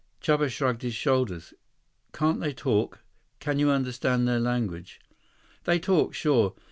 Chuba shrugged his shoulders. "Can't they talk? Can you understand their language?" "They talk, sure.